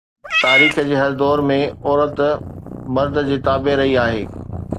تاريخ جي هر دور ۾ عورت مرد جي تابع رهي آهي